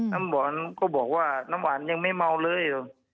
น้ำหวานก็บอกว่าน้ำหวานยังไม่เมาเลย